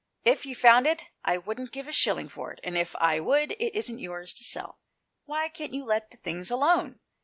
If you found it, I wouldn't give a shilling for it ; and if I would, it isn't yours to sell. Why can't you let the things alone